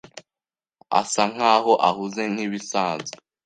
asa nkaho ahuze nkibisanzwe.